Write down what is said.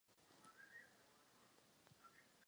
Paní předsedající, znáte ruskou ruletu?